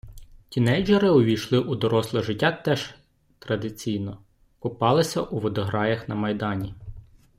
Тінейджери увійшли у доросле життя теж традиційно - купалися у водограях на Майдані.